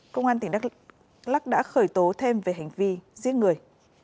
công an tỉnh đắk lắc đã khởi tố thêm về hành vi giết người